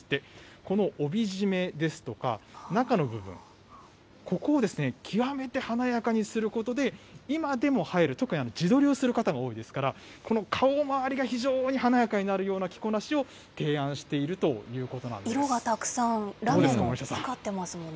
この帯締めですとか、中の部分、ここを極めて華やかにすることで、今でも映える、特に自撮りをする方が多いですから、この顔周りが非常に華やかになるような着こなしを提案していると色がたくさん、ラメもかかってますもんね。